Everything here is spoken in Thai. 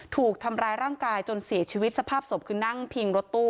ถูกทำร้ายร่างกายจนเสียชีวิตสภาพศพคือนั่งพิงรถตู้